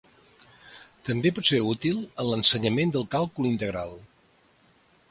També pot ser útil en l'ensenyament del càlcul integral.